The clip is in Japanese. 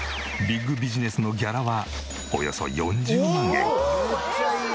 ビッグビジネスのギャラはおよそ４０万円。